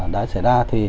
đã xảy ra